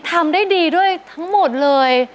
ทำได้ดีด้วยทั้งหมดเลย